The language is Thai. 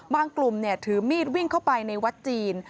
บางกลุ่มเนี่ยถือมีดวิ่งเข้าไปในวัดจีน